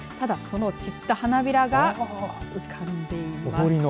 その散った花びらが浮かんでいます。